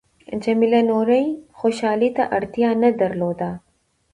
جميله نورې خوشحالۍ ته اړتیا نه درلوده.